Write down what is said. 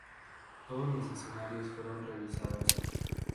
Todos los escenarios fueron revisados.